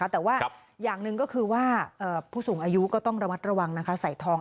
แต่ว่าอย่างหนึ่งก็คือว่าผู้สูงอายุก็ต้องระมัดระวังใส่ทอง